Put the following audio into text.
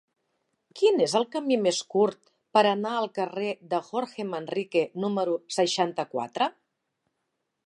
Quin és el camí més curt per anar al carrer de Jorge Manrique número seixanta-quatre?